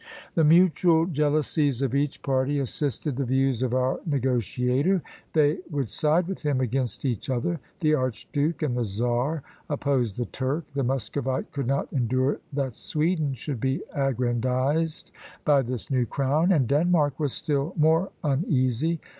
The mutual jealousies of each party assisted the views of our negotiator; they would side with him against each other. The archduke and the czar opposed the Turk; the Muscovite could not endure that Sweden should be aggrandised by this new crown; and Denmark was still more uneasy.